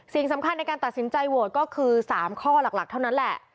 สิ่งสำคัญในการตัดสินใจโหวตก็คือ๓ข้อหลักเท่านั้นแหละ